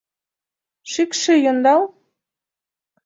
Шӱкшӧ йондал!